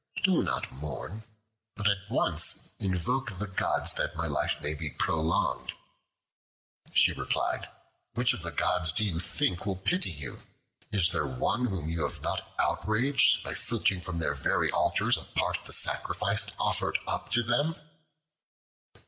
do not mourn, but at once invoke the gods that my life may be prolonged." She replied, "Alas! my son, which of the gods do you think will pity you? Is there one whom you have not outraged by filching from their very altars a part of the sacrifice offered up to them?"